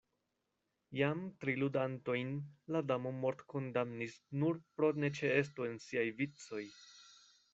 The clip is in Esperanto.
Jam tri ludantojn la Damo mortkondamnis nur pro neĉeesto en siaj vicoj.